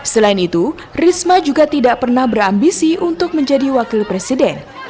selain itu risma juga tidak pernah berambisi untuk menjadi wakil presiden